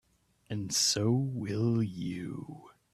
And so will you.